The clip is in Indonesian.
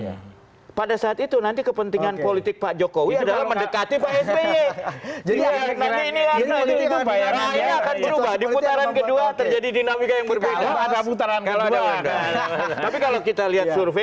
karena pada saat itu nanti kepentingan politik pak jokowi adalah mendekati pak sby